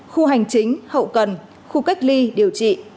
khu hành chính hậu cần khu cách ly điều trị